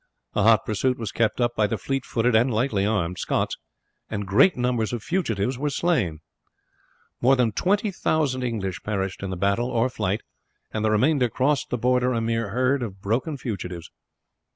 A hot pursuit was kept up by the fleet footed and lightly armed Scots, and great numbers of fugitives were slain. More than 20,000 English perished in the battle or flight, and the remainder crossed the Border a mere herd of broken fugitives.